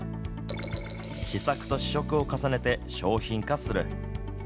試作と試食を重ねて商品化する。